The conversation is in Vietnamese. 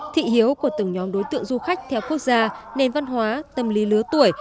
thị hiếu của từng nhóm đối tượng du khách theo quốc gia nền văn hóa tâm lý lứa tuổi